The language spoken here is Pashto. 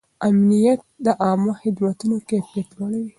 امنیت د عامه خدمتونو کیفیت لوړوي.